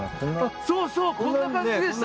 そうそうこんな感じでした。